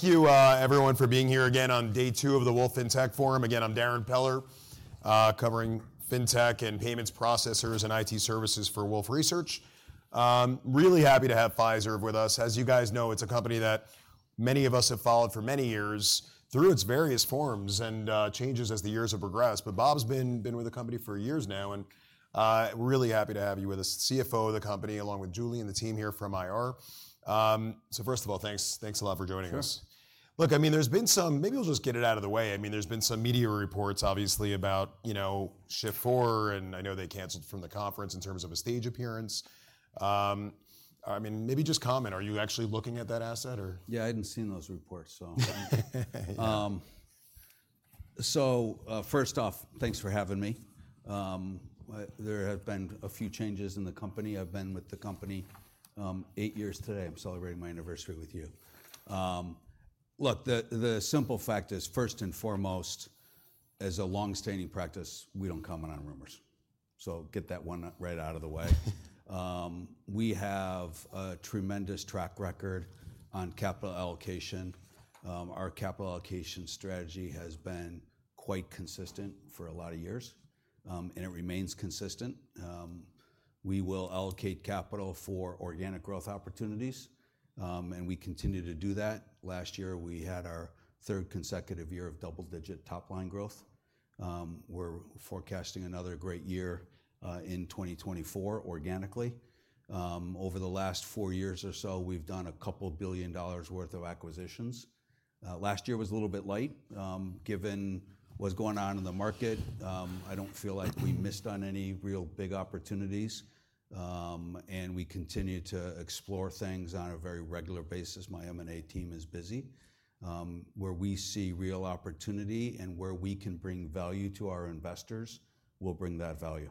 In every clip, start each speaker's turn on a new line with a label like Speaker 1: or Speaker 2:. Speaker 1: Thank you, everyone, for being here again on day two of the Wolfe FinTech Forum. Again, I'm Darrin Peller, covering Fintech and Payments Processors and IT services for Wolfe Research. Really happy to have Fiserv with us. As you guys know, it's a company that many of us have followed for many years through its various forms and changes as the years have progressed. But Bob's been with the company for years now. Really happy to have you with us, CFO of the company, along with Julie and the team here from IR. First of all, thanks. Thanks a lot for joining us.
Speaker 2: Sure.
Speaker 1: Look, I mean, there's been some, maybe we'll just get it out of the way. I mean, there's been some media reports, obviously, about, you know, Shift4. And I know they canceled from the conference in terms of a stage appearance. I mean, maybe just comment. Are you actually looking at that asset, or?
Speaker 2: Yeah, I hadn't seen those reports, so first off, thanks for having me. There have been a few changes in the company. I've been with the company eight years today. I'm celebrating my anniversary with you. Look, the simple fact is, first and foremost, as a longstanding practice, we don't comment on rumors. So get that one right out of the way. We have a tremendous track record on capital allocation. Our capital allocation strategy has been quite consistent for a lot of years, and it remains consistent. We will allocate capital for organic growth opportunities, and we continue to do that. Last year, we had our third consecutive year of double-digit top-line growth. We're forecasting another great year in 2024 organically. Over the last four years or so, we've done a couple billion dollars' worth of acquisitions. Last year was a little bit light. Given what's going on in the market, I don't feel like we missed on any real big opportunities. We continue to explore things on a very regular basis. My M&A team is busy. Where we see real opportunity and where we can bring value to our investors, we'll bring that value.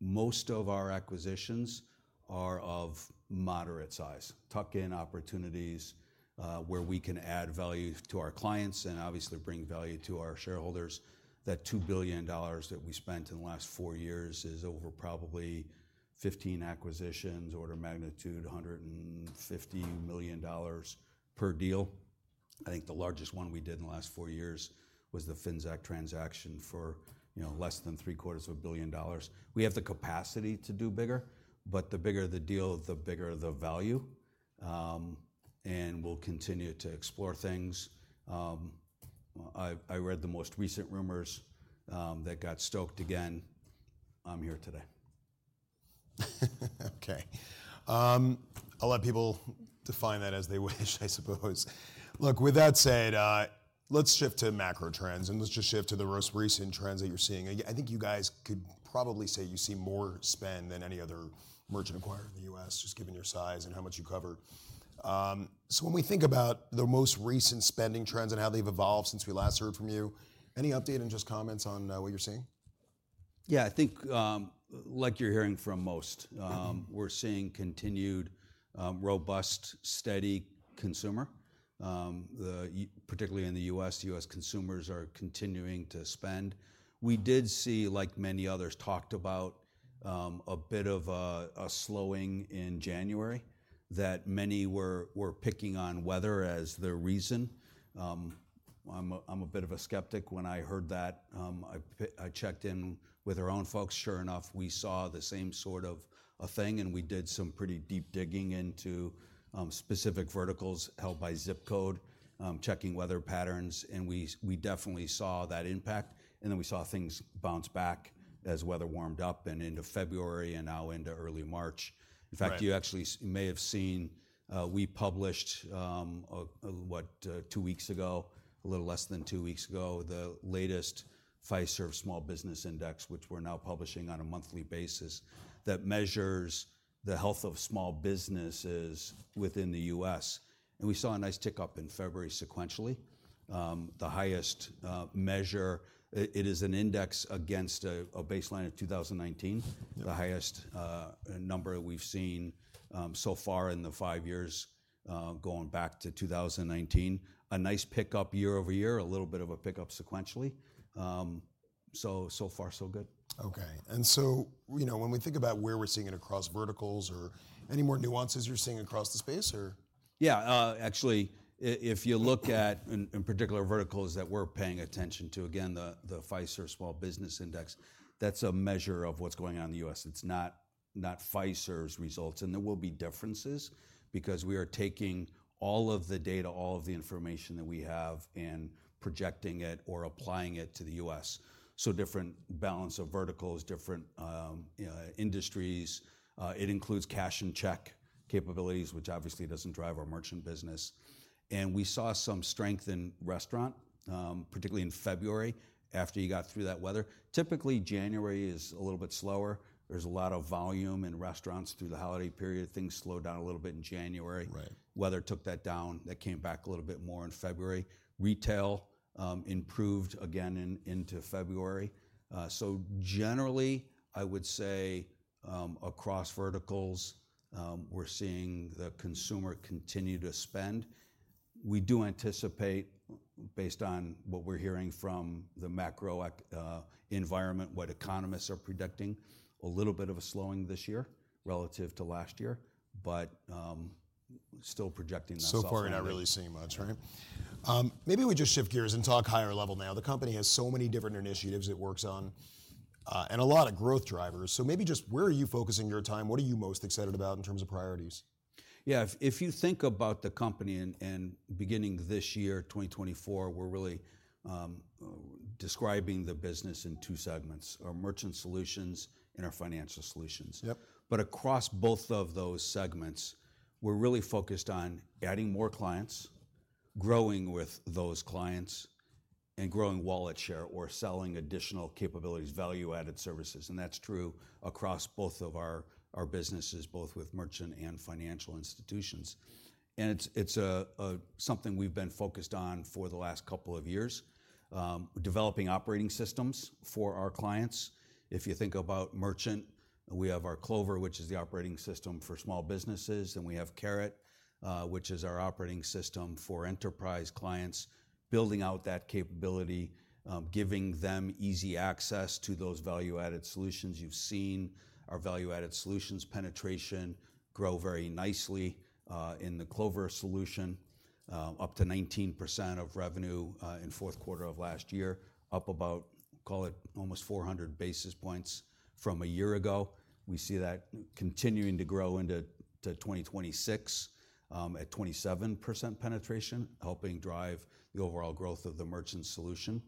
Speaker 2: Most of our acquisitions are of moderate size, tuck-in opportunities, where we can add value to our clients and obviously bring value to our shareholders. That $2 billion that we spent in the last 4 years is over probably 15 acquisitions, order of magnitude $150 million per deal. I think the largest one we did in the last 4 years was the FinTech transaction for, you know, less than $750 million. We have the capacity to do bigger. But the bigger the deal, the bigger the value. We'll continue to explore things. I read the most recent rumors that got stoked again. I'm here today.
Speaker 1: OK. I'll let people define that as they wish, I suppose. Look, with that said, let's shift to macro trends. Let's just shift to the most recent trends that you're seeing. I think you guys could probably say you see more spend than any other merchant acquirer in the U.S., just given your size and how much you cover. So when we think about the most recent spending trends and how they've evolved since we last heard from you, any update and just comments on what you're seeing?
Speaker 2: Yeah, I think, like you're hearing from most, we're seeing continued, robust, steady consumer spending, particularly in the U.S. U.S. consumers are continuing to spend. We did see, like many others talked about, a bit of a slowing in January that many were picking on weather as their reason. I'm a bit of a skeptic. When I heard that, I checked in with our own folks. Sure enough, we saw the same sort of a thing. And we did some pretty deep digging into specific verticals held by ZIP code, checking weather patterns. And we definitely saw that impact. And then we saw things bounce back as weather warmed up and into February and now into early March. In fact, you actually may have seen, we published, two weeks ago, a little less than two weeks ago, the latest Fiserv Small Business Index, which we're now publishing on a monthly basis, that measures the health of small businesses within the U.S. And we saw a nice tick up in February sequentially. The highest measure. It is an index against a baseline of 2019, the highest number that we've seen so far in the five years, going back to 2019. A nice pick up year-over-year, a little bit of a pick up sequentially. So, so far, so good.
Speaker 1: OK. And so, you know, when we think about where we're seeing it across verticals or any more nuances you're seeing across the space, or?
Speaker 2: Yeah, actually, if you look at in particular verticals that we're paying attention to, again, the Fiserv Small Business Index, that's a measure of what's going on in the U.S. It's not Fiserv's results. And there will be differences because we are taking all of the data, all of the information that we have, and projecting it or applying it to the U.S. So different balance of verticals, different industries. It includes cash and check capabilities, which obviously doesn't drive our merchant business. And we saw some strength in restaurant, particularly in February after you got through that weather. Typically, January is a little bit slower. There's a lot of volume in restaurants through the holiday period. Things slowed down a little bit in January.
Speaker 1: Right.
Speaker 2: Weather took that down. That came back a little bit more in February. Retail improved again into February. So generally, I would say, across verticals, we're seeing the consumer continue to spend. We do anticipate, based on what we're hearing from the macro environment, what economists are predicting, a little bit of a slowing this year relative to last year. But still projecting that soft space.
Speaker 1: So far, you're not really seeing much, right? Maybe we just shift gears and talk higher level now. The company has so many different initiatives it works on, and a lot of growth drivers. So maybe just where are you focusing your time? What are you most excited about in terms of priorities?
Speaker 2: Yeah, if you think about the company and beginning this year, 2024, we're really describing the business in two segments, our Merchant Solutions and our Financial Solutions.
Speaker 1: Yep.
Speaker 2: But across both of those segments, we're really focused on adding more clients, growing with those clients, and growing wallet share or selling additional capabilities, value-added services. And that's true across both of our businesses, both with merchant and financial institutions. And it's something we've been focused on for the last couple of years, developing operating systems for our clients. If you think about merchant, we have our Clover, which is the operating system for small businesses. And we have Carat, which is our operating system for enterprise clients, building out that capability, giving them easy access to those value-added solutions. You've seen our value-added solutions penetration grow very nicely, in the Clover solution, up to 19% of revenue, in the Q4 of last year, up about, call it, almost 400 basis points from a year ago. We see that continuing to grow into to 2026, at 27% penetration, helping drive the overall growth of the merchant solution.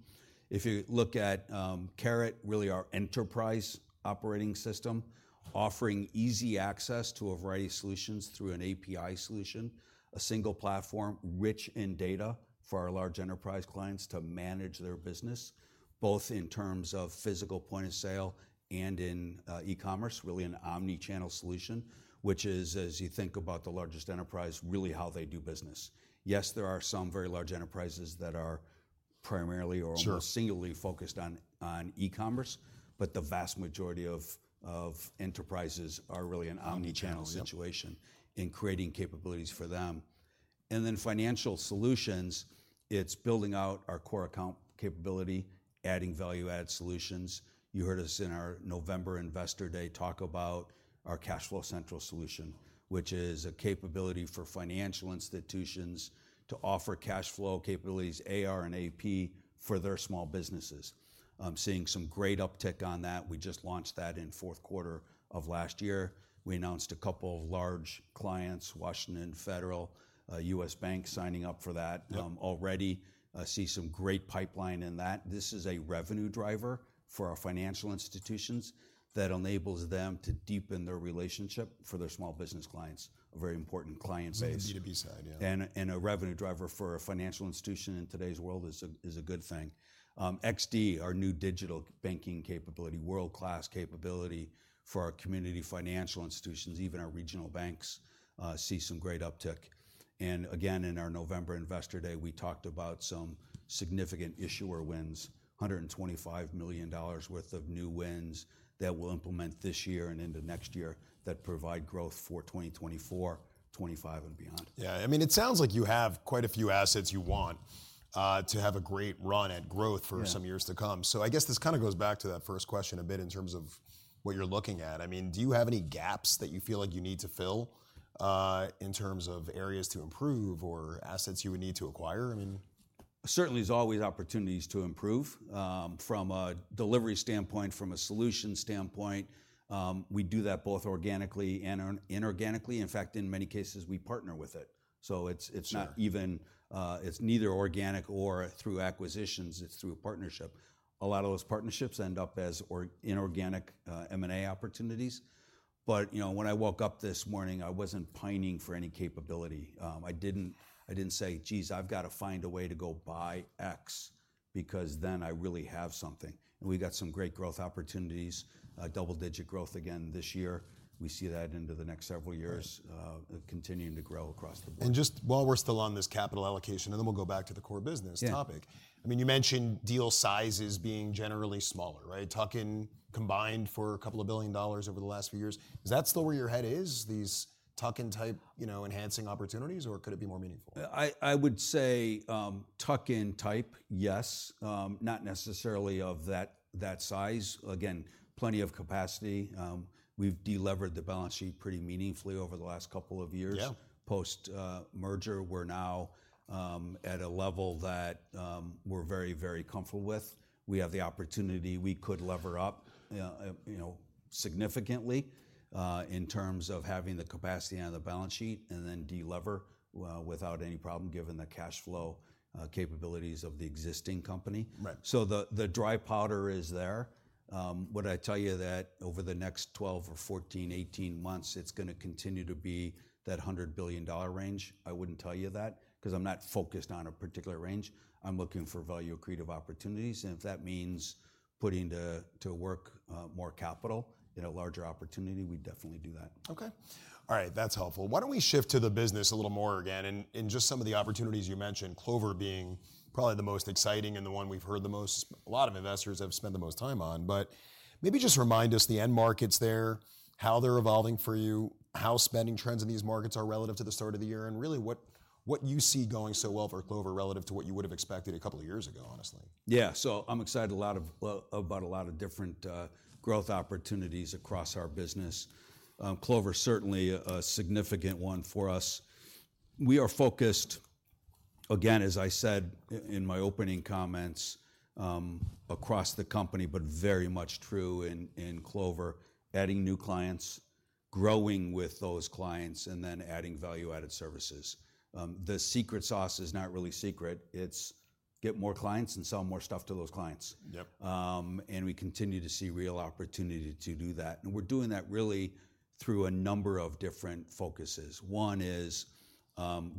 Speaker 2: If you look at Carat, really our enterprise operating system, offering easy access to a variety of solutions through an API solution, a single platform rich in data for our large enterprise clients to manage their business, both in terms of physical point of sale and in e-commerce, really an omnichannel solution, which is as you think about the largest enterprise, really how they do business. Yes, there are some very large enterprises that are primarily or almost singularly focused on e-commerce. But the vast majority of enterprises are really an omnichannel situation in creating capabilities for them. And then financial solutions, it's building out our core account capability, adding value-added solutions. You heard us in our November Investor Day talk about our Cash Flow Central solution, which is a capability for financial institutions to offer cash flow capabilities, AR and AP, for their small businesses. I'm seeing some great uptick on that. We just launched that in the Q4 of last year. We announced a couple of large clients, Washington Federal, U.S. Bank signing up for that, already. I see some great pipeline in that. This is a revenue driver for our financial institutions that enables them to deepen their relationship for their small business clients, a very important client base.
Speaker 1: B2B side, yeah.
Speaker 2: And a revenue driver for a financial institution in today's world is a good thing. XD, our new digital banking capability, world-class capability for our community financial institutions, even our regional banks, see some great uptick. And again, in our November Investor Day, we talked about some significant issuer wins, $125 million worth of new wins that we'll implement this year and into next year that provide growth for 2024, 2025, and beyond.
Speaker 1: Yeah, I mean, it sounds like you have quite a few assets you want to have a great run at growth for some years to come. So I guess this kind of goes back to that first question a bit in terms of what you're looking at. I mean, do you have any gaps that you feel like you need to fill in terms of areas to improve or assets you would need to acquire? I mean.
Speaker 2: Certainly, there's always opportunities to improve, from a delivery standpoint, from a solution standpoint. We do that both organically and inorganically. In fact, in many cases, we partner with it. So it's not even. It's neither organic or through acquisitions. It's through partnership. A lot of those partnerships end up as inorganic M&A opportunities. But, you know, when I woke up this morning, I wasn't pining for any capability. I didn't say, geez, I've got to find a way to go buy X because then I really have something. And we got some great growth opportunities, double-digit growth again this year. We see that into the next several years, continuing to grow across the board.
Speaker 1: And just while we're still on this capital allocation, and then we'll go back to the core business topic, I mean, you mentioned deal sizes being generally smaller, right, tuck-in combined for $2 billion over the last few years. Is that still where your head is, these tuck-in type, you know, enhancing opportunities? Or could it be more meaningful?
Speaker 2: I, I would say, tuck-in type, yes, not necessarily of that, that size. Again, plenty of capacity. We've delevered the balance sheet pretty meaningfully over the last couple of years.
Speaker 1: Yeah.
Speaker 2: Post-merger, we're now at a level that we're very, very comfortable with. We have the opportunity. We could lever up, you know, significantly, in terms of having the capacity on the balance sheet and then delever without any problem, given the cash flow capabilities of the existing company.
Speaker 1: Right.
Speaker 2: So the dry powder is there. Would I tell you that over the next 12 or 14, 18 months, it's going to continue to be that $100 billion range? I wouldn't tell you that because I'm not focused on a particular range. I'm looking for value creative opportunities. And if that means putting to work more capital in a larger opportunity, we'd definitely do that.
Speaker 1: OK. All right, that's helpful. Why don't we shift to the business a little more again and just some of the opportunities you mentioned, Clover being probably the most exciting and the one we've heard the most. A lot of investors have spent the most time on. But maybe just remind us the end markets there, how they're evolving for you, how spending trends in these markets are relative to the start of the year, and really what you see going so well for Clover relative to what you would have expected a couple of years ago, honestly.
Speaker 2: Yeah, so I'm excited about a lot of different growth opportunities across our business. Clover's certainly a significant one for us. We are focused, again, as I said in my opening comments, across the company, but very much true in Clover, adding new clients, growing with those clients, and then adding value-added services. The secret sauce is not really secret. It's get more clients and sell more stuff to those clients.
Speaker 1: Yep.
Speaker 2: We continue to see real opportunity to do that. We're doing that really through a number of different focuses. One is,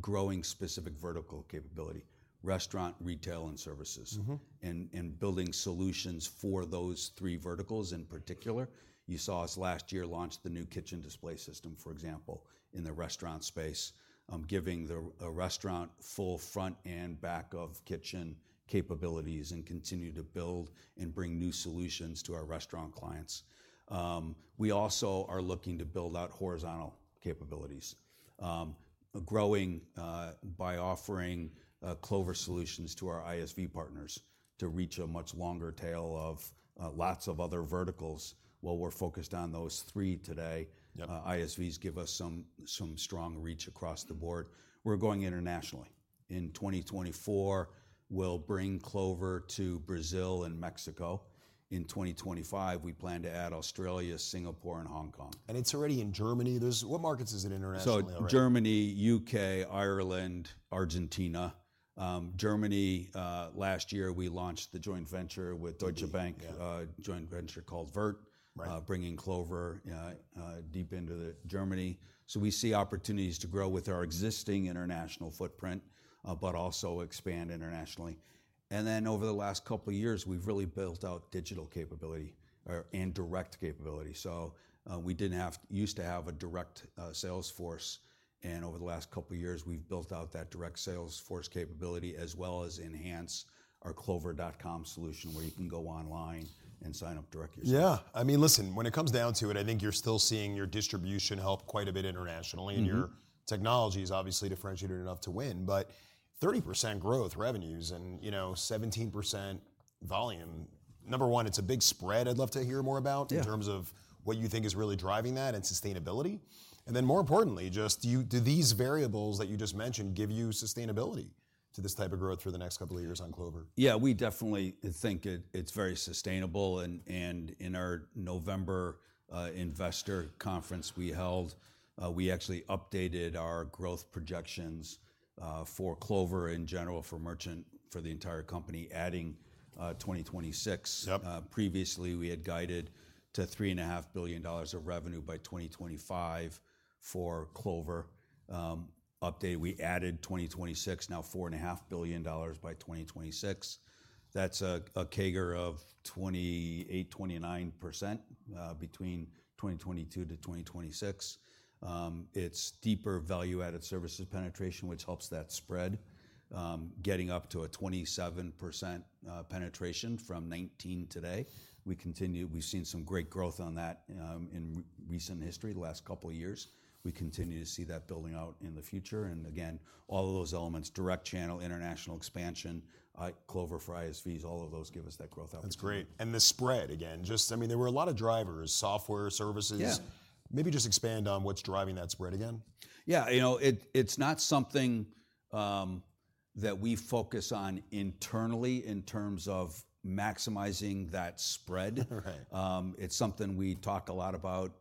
Speaker 2: growing specific vertical capability, restaurant, retail, and services.
Speaker 1: Mm-hmm.
Speaker 2: And, and building solutions for those three verticals in particular. You saw us last year launch the new Kitchen Display System, for example, in the restaurant space, giving a restaurant full front and back of kitchen capabilities and continue to build and bring new solutions to our restaurant clients. We also are looking to build out horizontal capabilities, growing by offering Clover solutions to our ISV partners to reach a much longer tail of lots of other verticals. While we're focused on those three today, ISVs give us some, some strong reach across the board. We're going internationally. In 2024, we'll bring Clover to Brazil and Mexico. In 2025, we plan to add Australia, Singapore, and Hong Kong.
Speaker 1: It's already in Germany. What markets is it in internationally, right?
Speaker 2: So Germany, UK, Ireland, Argentina. Germany, last year, we launched the joint venture with Deutsche Bank, joint venture called Vert, bringing Clover deep into Germany. So we see opportunities to grow with our existing international footprint, but also expand internationally. And then over the last couple of years, we've really built out digital capability or and direct capability. So, we didn't have used to have a direct sales force. And over the last couple of years, we've built out that direct sales force capability as well as enhance our clover.com solution, where you can go online and sign up direct yourself.
Speaker 1: Yeah, I mean, listen, when it comes down to it, I think you're still seeing your distribution help quite a bit internationally. And your technology is obviously differentiated enough to win. But 30% growth revenues and, you know, 17% volume, number one, it's a big spread. I'd love to hear more about in terms of what you think is really driving that and sustainability. And then more importantly, just do you do these variables that you just mentioned give you sustainability to this type of growth through the next couple of years on Clover?
Speaker 2: Yeah, we definitely think it's very sustainable. And in our November investor conference we held, we actually updated our growth projections for Clover in general, for merchant, for the entire company, adding 2026.
Speaker 1: Yep.
Speaker 2: Previously, we had guided to $3.5 billion of revenue by 2025 for Clover. Updated we added 2026, now $4.5 billion by 2026. That's a CAGR of 28%-29% between 2022 to 2026. It's deeper value-added services penetration, which helps that spread, getting up to a 27% penetration from 19% today. We continue. We've seen some great growth on that, in recent history, the last couple of years. We continue to see that building out in the future. And again, all of those elements, direct channel, international expansion, Clover for ISVs, all of those give us that growth output.
Speaker 1: That's great. And the spread, again, just—I mean, there were a lot of drivers: software, services.
Speaker 2: Yeah.
Speaker 1: Maybe just expand on what's driving that spread again.
Speaker 2: Yeah, you know, it's not something that we focus on internally in terms of maximizing that spread.
Speaker 1: Right.
Speaker 2: It's something we talk a lot about,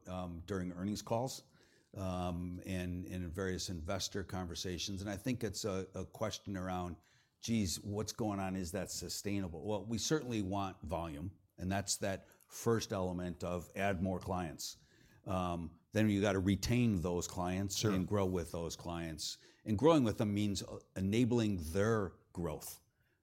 Speaker 2: during earnings calls, and in various investor conversations. I think it's a question around, geez, what's going on? Is that sustainable? Well, we certainly want volume. And that's that first element of add more clients. Then you've got to retain those clients and grow with those clients. And growing with them means enabling their growth.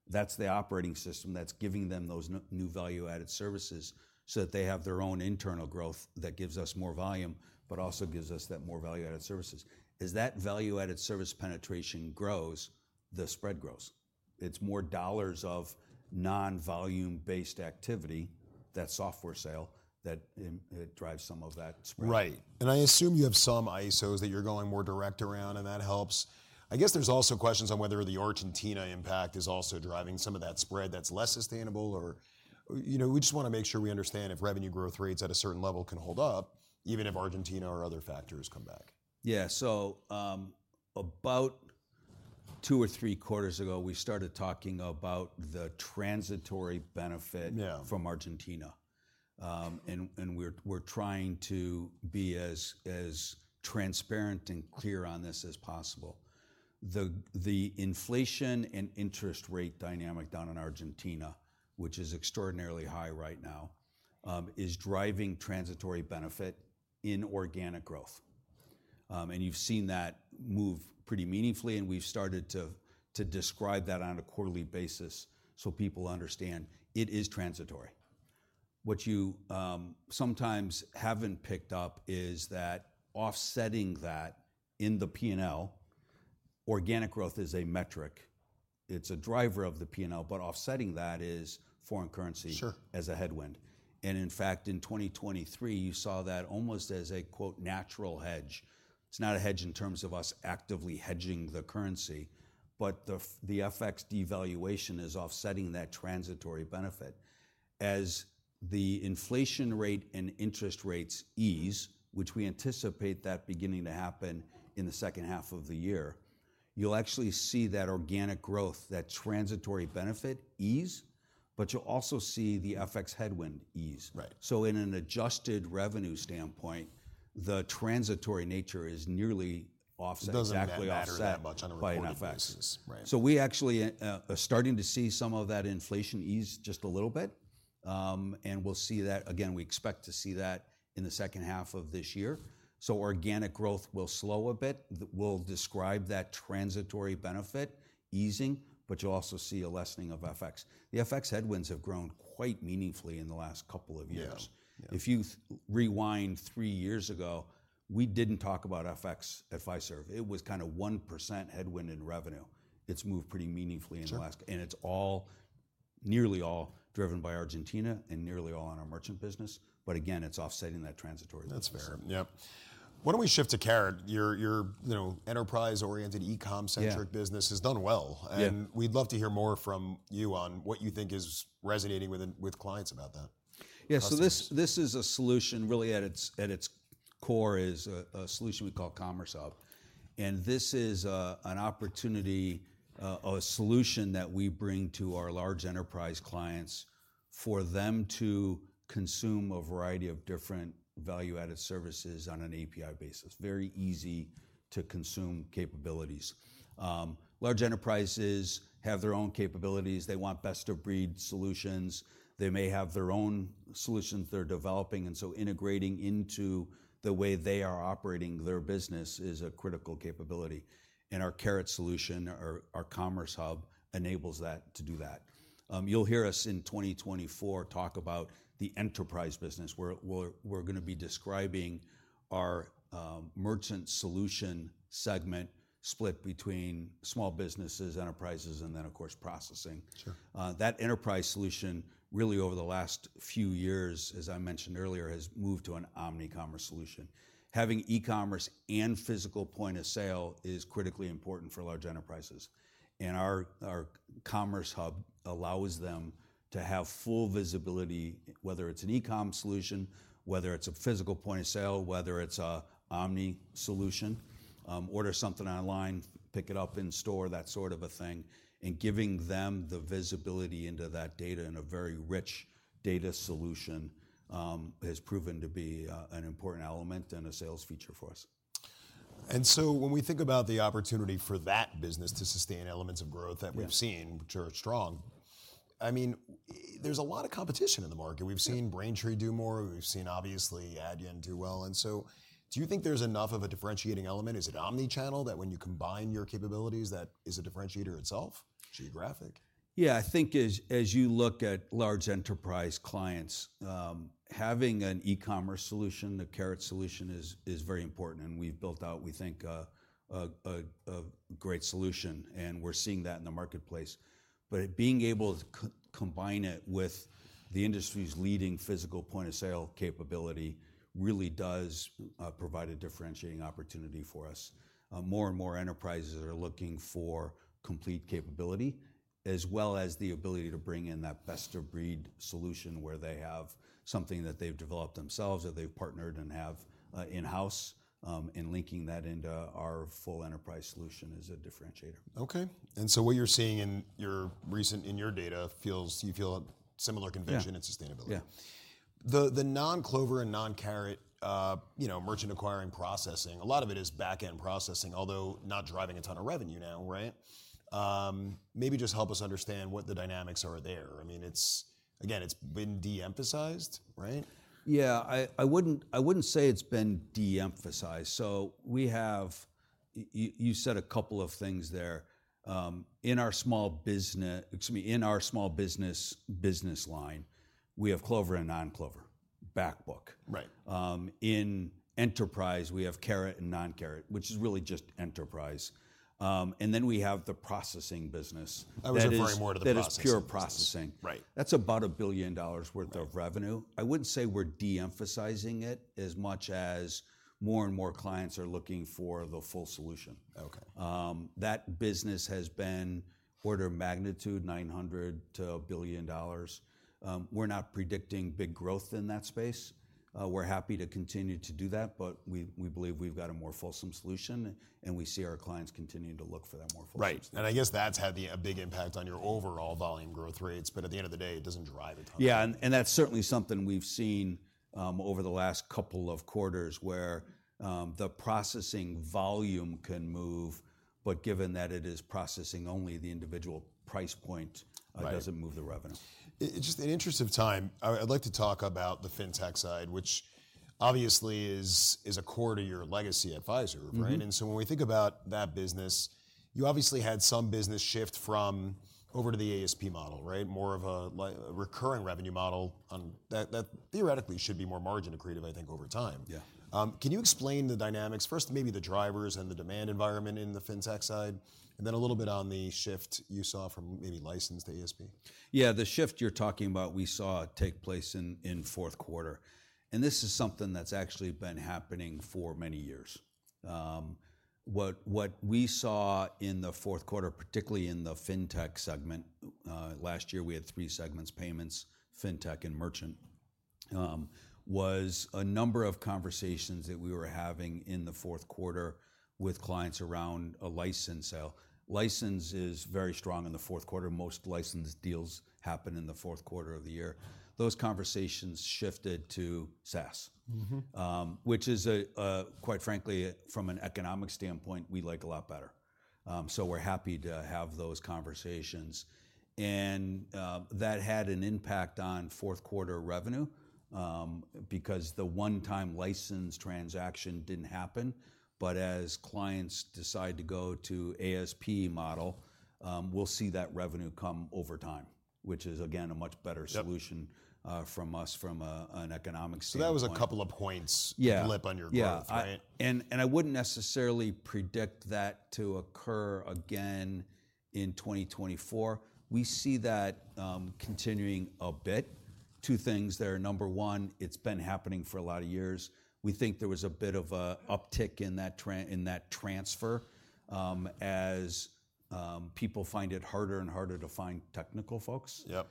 Speaker 2: That's the operating system that's giving them those new value-added services so that they have their own internal growth that gives us more volume but also gives us that more value-added services. As that value-added service penetration grows, the spread grows. It's more dollars of non-volume-based activity, that software sale, that drives some of that spread.
Speaker 1: Right. And I assume you have some ISOs that you're going more direct around, and that helps. I guess there's also questions on whether the Argentina impact is also driving some of that spread that's less sustainable. Or, you know, we just want to make sure we understand if revenue growth rates at a certain level can hold up, even if Argentina or other factors come back.
Speaker 2: Yeah, so, about two or three quarters ago, we started talking about the transitory benefit from Argentina. And we're trying to be as transparent and clear on this as possible. The inflation and interest rate dynamic down in Argentina, which is extraordinarily high right now, is driving transitory benefit in organic growth. And you've seen that move pretty meaningfully. And we've started to describe that on a quarterly basis so people understand it is transitory. What you sometimes haven't picked up is that offsetting that in the P&L, organic growth is a metric. It's a driver of the P&L. But offsetting that is foreign currency as a headwind.
Speaker 1: Sure.
Speaker 2: In fact, in 2023, you saw that almost as a, quote, "natural hedge." It's not a hedge in terms of us actively hedging the currency. But the FX devaluation is offsetting that transitory benefit. As the inflation rate and interest rates ease, which we anticipate that beginning to happen in the second half of the year, you'll actually see that organic growth, that transitory benefit ease. But you'll also see the FX headwind ease.
Speaker 1: Right.
Speaker 2: In an adjusted revenue standpoint, the transitory nature is nearly offsetting, exactly offsetting that by an FX.
Speaker 1: It doesn't matter that much. I don't know what that means.
Speaker 2: So we actually are starting to see some of that inflation ease just a little bit. And we'll see that again, we expect to see that in the second half of this year. So organic growth will slow a bit. We'll describe that transitory benefit easing. But you'll also see a lessening of FX. The FX headwinds have grown quite meaningfully in the last couple of years.
Speaker 1: Yeah.
Speaker 2: If you rewind three years ago, we didn't talk about FX at Fiserv. It was kind of 1% headwind in revenue. It's moved pretty meaningfully in the last.
Speaker 1: Sure.
Speaker 2: It's all nearly all driven by Argentina and nearly all on our merchant business. Again, it's offsetting that transitory benefit.
Speaker 1: That's fair. Yep. Why don't we shift to Carat? Your, your, you know, enterprise-oriented, e-com-centric business has done well. And we'd love to hear more from you on what you think is resonating with, with clients about that?
Speaker 2: Yeah, so this, this is a solution really at its at its core is a solution we call Commerce Hub. And this is an opportunity, a solution that we bring to our large enterprise clients for them to consume a variety of different value-added services on an API basis, very easy to consume capabilities. Large enterprises have their own capabilities. They want best-of-breed solutions. They may have their own solutions they're developing. And so integrating into the way they are operating their business is a critical capability. And our Carat solution, our, our Commerce Hub enables that to do that. You'll hear us in 2024 talk about the enterprise business, where we're, we're going to be describing our, merchant solution segment split between small businesses, enterprises, and then, of course, processing.
Speaker 1: Sure.
Speaker 2: That enterprise solution really over the last few years, as I mentioned earlier, has moved to an omnichannel solution. Having e-commerce and physical point of sale is critically important for large enterprises. And our, our Commerce Hub allows them to have full visibility, whether it's an e-com solution, whether it's a physical point of sale, whether it's an omni solution, order something online, pick it up in store, that sort of a thing. And giving them the visibility into that data in a very rich data solution has proven to be an important element and a sales feature for us.
Speaker 1: And so when we think about the opportunity for that business to sustain elements of growth that we've seen, which are strong, I mean, there's a lot of competition in the market. We've seen Braintree do more. We've seen, obviously, Adyen do well. And so do you think there's enough of a differentiating element? Is it omnichannel that when you combine your capabilities, that is a differentiator itself, geographic?
Speaker 2: Yeah, I think as you look at large enterprise clients, having an e-commerce solution, the Carat solution, is very important. And we've built out, we think, a great solution. And we're seeing that in the marketplace. But being able to combine it with the industry's leading physical point of sale capability really does provide a differentiating opportunity for us. More and more enterprises are looking for complete capability as well as the ability to bring in that best-of-breed solution where they have something that they've developed themselves or they've partnered and have in-house. And linking that into our full enterprise solution is a differentiator.
Speaker 1: Okay. So what you're seeing in your recent data, you feel a similar conviction in sustainability.
Speaker 2: Yeah.
Speaker 1: The non-Clover and non-Carat, you know, merchant acquiring processing, a lot of it is back-end processing, although not driving a ton of revenue now, right? Maybe just help us understand what the dynamics are there. I mean, it's again, it's been deemphasized, right?
Speaker 2: Yeah, I wouldn't say it's been deemphasized. So we have you, you said a couple of things there. In our small business, excuse me, in our small business business line, we have Clover and non-Clover back book.
Speaker 1: Right.
Speaker 2: In enterprise, we have Carat and non-Carat, which is really just enterprise. And then we have the processing business.
Speaker 1: I was referring more to the process.
Speaker 2: That is pure processing.
Speaker 1: Right.
Speaker 2: That's about $1 billion worth of revenue. I wouldn't say we're deemphasizing it as much as more and more clients are looking for the full solution.
Speaker 1: OK.
Speaker 2: That business has been order of magnitude $900-$1 billion. We're not predicting big growth in that space. We're happy to continue to do that. But we believe we've got a more fulsome solution. And we see our clients continue to look for that more fulsome solution.
Speaker 1: Right. I guess that's had a big impact on your overall volume growth rates. But at the end of the day, it doesn't drive a ton of revenue.
Speaker 2: Yeah, and that's certainly something we've seen over the last couple of quarters where the processing volume can move. But given that it is processing only, the individual price point doesn't move the revenue.
Speaker 1: Just in interest of time, I'd like to talk about the fintech side, which obviously is, is a core to your legacy advisor, right? And so when we think about that business, you obviously had some business shift from over to the ASP model, right? More of a recurring revenue model on that, that theoretically should be more margin accretive, I think, over time.
Speaker 2: Yeah.
Speaker 1: Can you explain the dynamics first, maybe the drivers and the demand environment in the fintech side? And then a little bit on the shift you saw from maybe license to ASP.
Speaker 2: Yeah, the shift you're talking about, we saw it take place in the Q4. This is something that's actually been happening for many years. What we saw in the Q4, particularly in the fintech segment, last year we had three segments, payments, fintech, and merchant, was a number of conversations that we were having in the Q4 with clients around a license sale. License is very strong in the Q4. Most license deals happen in the Q4 of the year. Those conversations shifted to SaaS, which is quite frankly, from an economic standpoint, we like a lot better. We're happy to have those conversations. That had an impact on Q4 revenue, because the one-time license transaction didn't happen. But as clients decide to go to ASP model, we'll see that revenue come over time, which is, again, a much better solution for us from an economic standpoint.
Speaker 1: That was a couple of points.
Speaker 2: Yeah.
Speaker 1: Flip on your growth, right?
Speaker 2: And I wouldn't necessarily predict that to occur again in 2024. We see that continuing a bit. Two things there. Number one, it's been happening for a lot of years. We think there was a bit of an uptick in that transfer, as people find it harder and harder to find technical folks.
Speaker 1: Yep.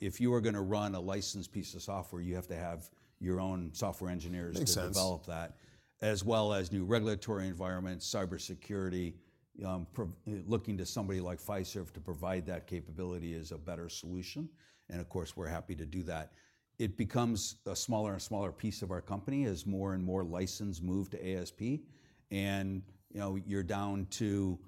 Speaker 2: If you are going to run a licensed piece of software, you have to have your own software engineers to develop that, as well as new regulatory environments, cybersecurity. Looking to somebody like Fiserv to provide that capability is a better solution. And of course, we're happy to do that. It becomes a smaller and smaller piece of our company as more and more license move to ASP. And, you know, you're down to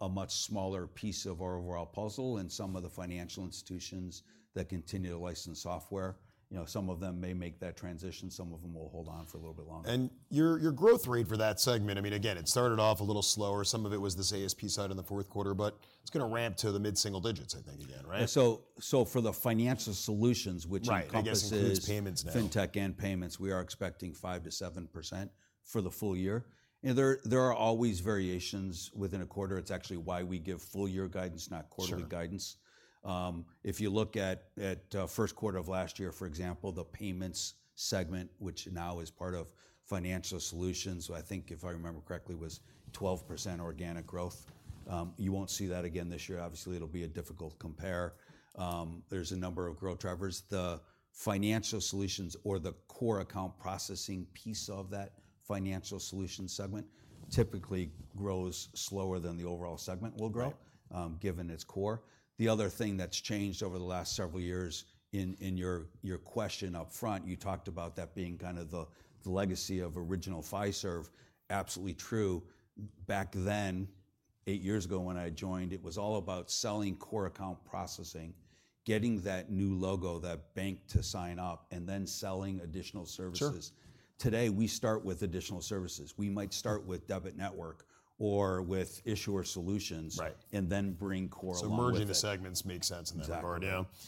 Speaker 2: a much smaller piece of our overall puzzle. And some of the financial institutions that continue to license software, you know, some of them may make that transition. Some of them will hold on for a little bit longer.
Speaker 1: Your growth rate for that segment, I mean, again, it started off a little slower. Some of it was this ASP side in the Q4. But it's going to ramp to the mid-single digits, I think, again, right?
Speaker 2: Yeah, so, so for the Financial Solutions, which encompasses.
Speaker 1: Right. And includes payments now.
Speaker 2: Fintech and payments, we are expecting 5%-7% for the full year. And there are always variations within a quarter. It's actually why we give full-year guidance, not quarterly guidance. If you look at Q1 of last year, for example, the payments segment, which now is part of Financial Solutions, I think, if I remember correctly, was 12% organic growth. You won't see that again this year. Obviously, it'll be a difficult compare. There's a number of growth drivers. The Financial Solutions or the core account processing piece of that Financial Solutions segment typically grows slower than the overall segment will grow, given its core. The other thing that's changed over the last several years. In your question up front, you talked about that being kind of the legacy of original Fiserv. Absolutely true. Back then, eight years ago when I joined, it was all about selling core account processing, getting that new logo, that bank to sign up, and then selling additional services. Today, we start with additional services. We might start with debit network or with issuer solutions.
Speaker 1: Right.
Speaker 2: And then bring core alignment.
Speaker 1: So merging the segments makes sense in that regard.
Speaker 2: Exactly.
Speaker 1: Yeah.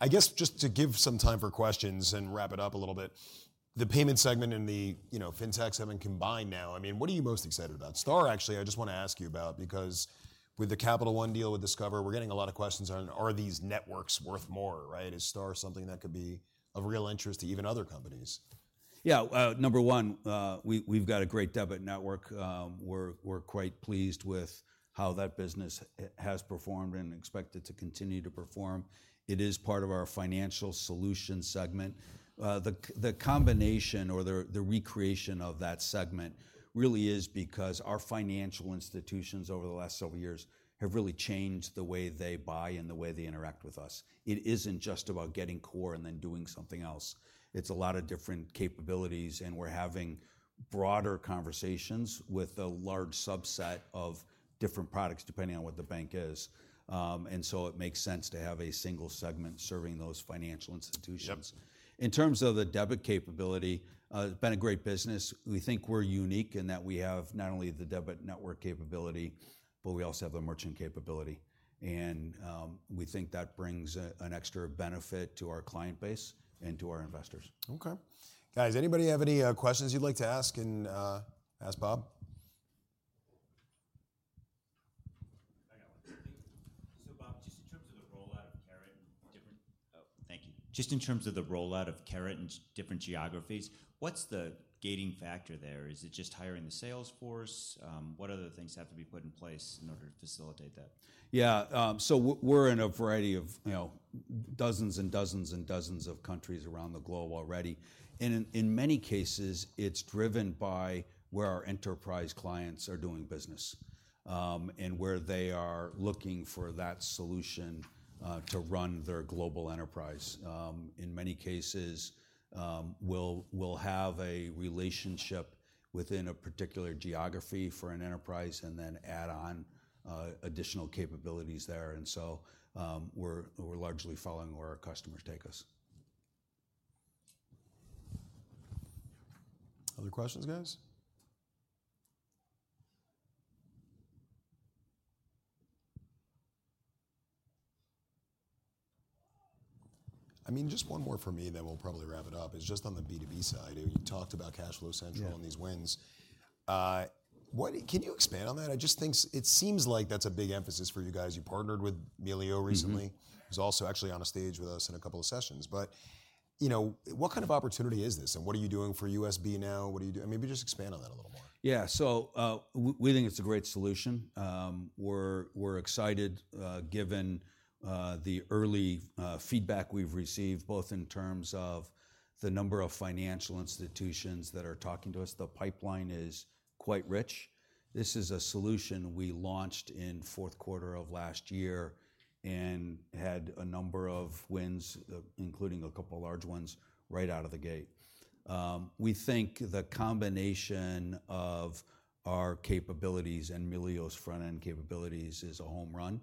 Speaker 1: I guess just to give some time for questions and wrap it up a little bit, the payment segment and the, you know, fintechs having combined now, I mean, what are you most excited about? Star, actually, I just want to ask you about because with the Capital One deal with Discover, we're getting a lot of questions on, are these networks worth more, right? Is Star something that could be of real interest to even other companies?
Speaker 2: Yeah, number one, we've got a great debit network. We're, we're quite pleased with how that business has performed and expect it to continue to perform. It is part of our Financial Solutions segment. The combination or the recreation of that segment really is because our financial institutions over the last several years have really changed the way they buy and the way they interact with us. It isn't just about getting core and then doing something else. It's a lot of different capabilities. And we're having broader conversations with a large subset of different products, depending on what the bank is. And so it makes sense to have a single segment serving those financial institutions.
Speaker 1: Yep.
Speaker 2: In terms of the debit capability, it's been a great business. We think we're unique in that we have not only the debit network capability, but we also have the merchant capability. We think that brings an extra benefit to our client base and to our investors.
Speaker 1: OK. Guys, anybody have any questions you'd like to ask? And ask Bob.
Speaker 3: I got one. So Bob, just in terms of the rollout of Carat and different oh, thank you. Just in terms of the rollout of Carat and different geographies, what's the gating factor there? Is it just hiring the sales force? What other things have to be put in place in order to facilitate that?
Speaker 2: Yeah, so we're in a variety of, you know, dozens and dozens and dozens of countries around the globe already. And in many cases, it's driven by where our enterprise clients are doing business, and where they are looking for that solution to run their global enterprise. In many cases, we'll have a relationship within a particular geography for an enterprise and then add on additional capabilities there. And so, we're largely following where our customers take us.
Speaker 1: Other questions, guys?
Speaker 3: I mean, just one more for me, and then we'll probably wrap it up is just on the B2B side. You talked about Cash Flow Central and these wins. What can you expand on that? I just think it seems like that's a big emphasis for you guys. You partnered with Melio recently. He was also actually on a stage with us in a couple of sessions. But, you know, what kind of opportunity is this? And what are you doing for U.S. Bank now? What are you doing? Maybe just expand on that a little more.
Speaker 2: Yeah, so, we think it's a great solution. We're excited, given the early feedback we've received, both in terms of the number of financial institutions that are talking to us. The pipeline is quite rich. This is a solution we launched in Q4 of last year and had a number of wins, including a couple of large ones, right out of the gate. We think the combination of our capabilities and Melio's front-end capabilities is a home run.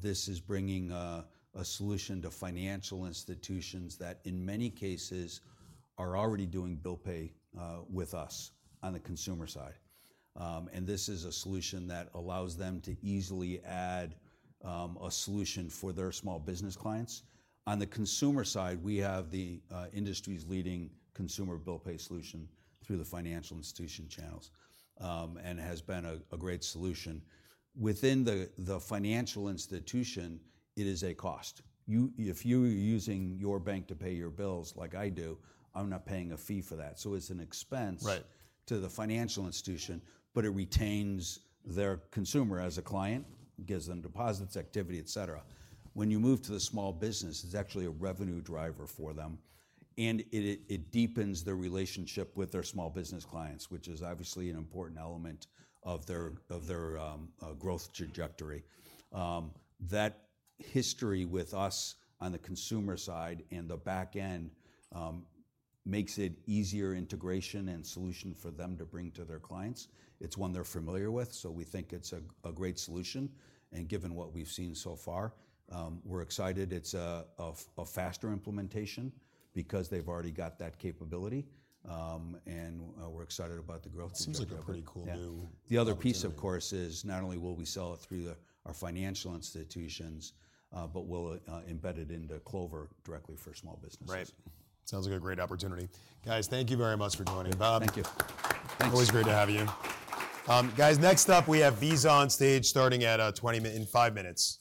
Speaker 2: This is bringing a solution to financial institutions that, in many cases, are already doing bill pay with us on the consumer side. And this is a solution that allows them to easily add a solution for their small business clients. On the consumer side, we have the industry's leading consumer bill pay solution through the financial institution channels, and has been a great solution. Within the financial institution, it is a cost. If you are using your bank to pay your bills like I do, I'm not paying a fee for that. So it's an expense to the financial institution. But it retains their consumer as a client, gives them deposits, activity, et cetera. When you move to the small business, it's actually a revenue driver for them. And it deepens their relationship with their small business clients, which is obviously an important element of their growth trajectory. That history with us on the consumer side and the back end makes it easier integration and solution for them to bring to their clients. It's one they're familiar with. So we think it's a great solution. And given what we've seen so far, we're excited. It's a faster implementation because they've already got that capability. And we're excited about the growth.
Speaker 3: Seems like a pretty cool new.
Speaker 2: The other piece, of course, is not only will we sell it through our financial institutions, but we'll embed it into Clover directly for small businesses.
Speaker 1: Right. Sounds like a great opportunity. Guys, thank you very much for joining, Bob.
Speaker 2: Thank you.
Speaker 1: Always great to have you guys, next up, we have Visa on stage starting at [2:05] in five minutes.